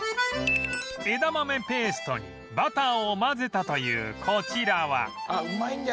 枝豆ペーストにバターを混ぜたというこちらは